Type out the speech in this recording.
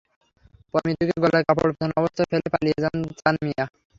পরে মিতুকে গলায় কাপড় পেঁচানো অবস্থায় ফেলে পালিয়ে যান চান মিয়া।